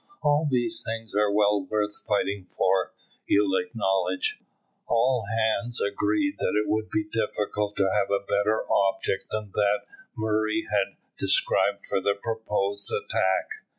All these things are well worth fighting for, you'll acknowledge." All hands agreed that it would be difficult to have a better object than that Murray had described for the proposed attack.